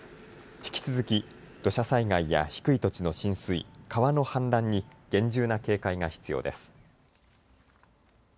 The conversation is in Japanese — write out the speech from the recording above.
引き続き土砂災害や低い土地の浸水、川の氾濫に厳重な警戒が必要です。